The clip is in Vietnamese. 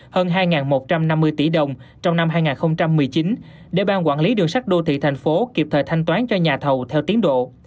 hơn hai một trăm năm mươi tỷ đồng trong năm hai nghìn một mươi chín để ban quản lý đường sắt đô thị thành phố kịp thời thanh toán cho nhà thầu theo tiến độ